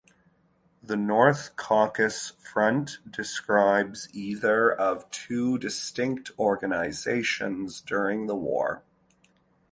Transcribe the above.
The North Caucasus Front describes either of two distinct organizations during the war.